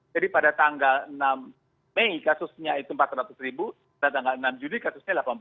pada tanggal enam mei kasusnya itu empat ratus ribu pada tanggal enam juli kasusnya delapan belas